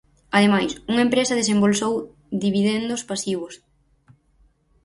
Ademais, unha empresa desembolsou dividendos pasivos.